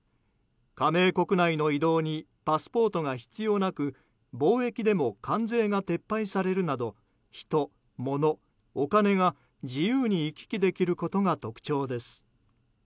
加盟国内の移動にパスポートが必要なく貿易でも関税が撤廃されるなど人、もの、お金が自由に行き来できることが特長です。